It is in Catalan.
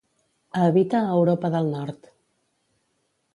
Habita a Europa del nord.